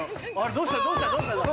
どうした？